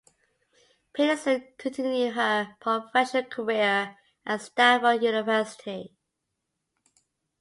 Petersen continued her professional career at Stanford University.